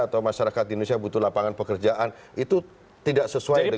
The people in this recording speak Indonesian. atau masyarakat indonesia butuh lapangan pekerjaan itu tidak sesuai dengan